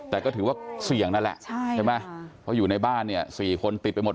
แต่ก็ถือว่าเสี่ยงนั่นแหละใช่ไหมเพราะอยู่ในบ้านเนี่ย๔คนติดไปหมด